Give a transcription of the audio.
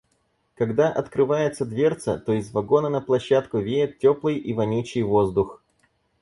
Когда открывается дверца, то из вагона на площадку веет теплый и вонючий воздух.